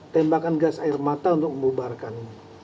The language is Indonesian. tembakan gas air mata untuk membubarkan